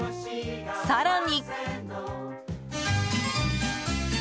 更に。